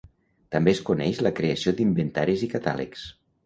També es coneix la creació d'inventaris i catàlegs.